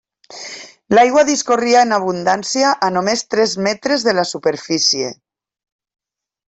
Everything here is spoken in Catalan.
L'aigua discorria en abundància a només tres metres de la superfície.